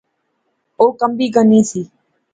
او کمبی گینی سی